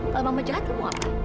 kalau mama jahat kamu apa